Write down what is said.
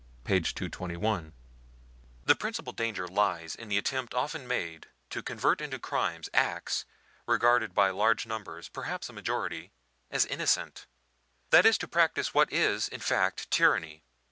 (p. 221 ) The principal danger lies in the attempt often made to convert into crimes acts regarded by large numbers, perhaps a majority, as innocent that is to practise what is, in fact, tyranny.